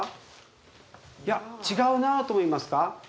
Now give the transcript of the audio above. いや違うなと思いますか？